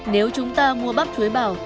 nếu chúng ta mua bắp chuối bào